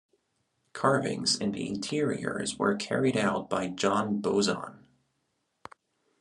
Carvings in the interiors were carried out by John Boson.